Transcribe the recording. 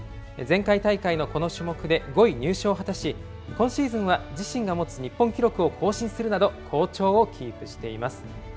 前回大会のこの種目で５位入賞を果たし、今シーズンは自身が持つ日本記録を更新するなど、好調をキープしています。